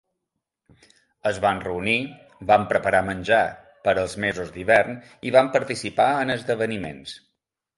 Es van reunir, van preparar menjar per als mesos d'hivern i van participar en esdeveniments.